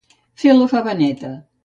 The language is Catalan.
Fer la fava neta.